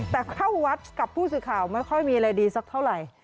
แต่เข้าวัดกับผู้สื่อข่าวไม่ค่อยมีอะไรดีสักเท่าไหร่